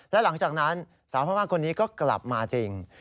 และหลังจากนั้นสาวพม่าคนนี้ก็กลับมาจริง